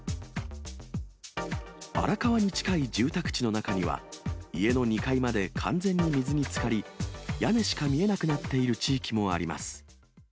荒川に近い住宅地の中には、家の２階まで完全に水につかり、屋根しか見えなくなっている地域もあります。